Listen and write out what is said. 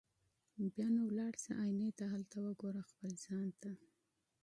بیا نو ولاړ سه آیینې ته هلته وګوره خپل ځان ته